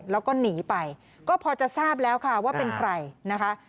แล้วก็หนีไปก็พอจะทราบแล้วค่ะว่าเป็นใครนะคะ